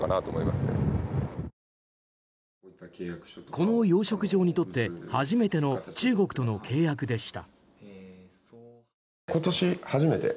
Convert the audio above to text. この養殖場にとって初めての中国との契約でした。